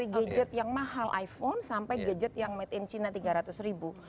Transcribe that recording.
gadget yang mahal iphone sampai gadget yang made in china tiga ratus ribu